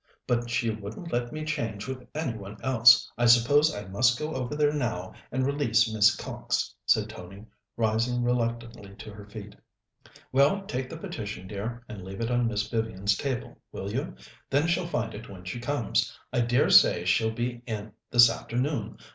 But she wouldn't let me change with any one else. I suppose I must go over there now and release Miss Cox," said Tony, rising reluctantly to her feet. "Well, take the petition, dear, and leave it on Miss Vivian's table, will you? Then she'll find it when she comes. I dare say she'll be in this afternoon.